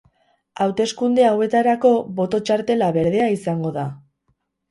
Hauteskunde hauetarako boto-txartela berdea izango da.